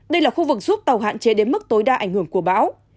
đây là khu vực giúp tàu hạn chế đến mức tối đa ảnh hưởng của bão